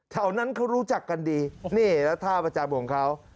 แถวนั้นเขารู้จักกันดีนี่แล้วท่าประจำของเขา